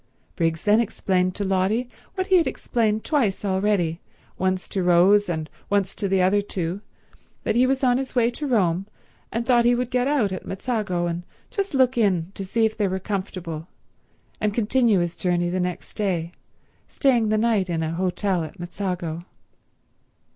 Briggs then explained to Lotty what he had explained twice already, once to Rose and once to the other two, that he was on his way to Rome and thought he would get out at Mezzago and just look in to see if they were comfortable and continue his journey the next day, staying the night in an hotel at Mezzago.